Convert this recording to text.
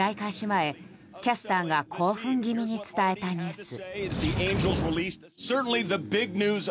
前、キャスターが興奮気味に伝えたニュース。